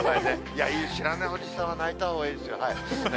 知らないおじさんは、泣いたほうがいいですよ。